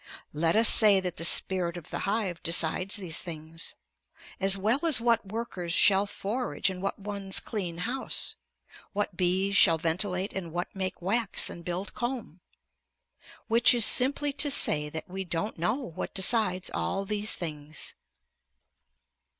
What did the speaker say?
Let us say that the "spirit of the hive" decides these things. As well as what workers shall forage and what ones clean house; what bees shall ventilate and what make wax and build comb. Which is simply to say that we don't know what decides all these things.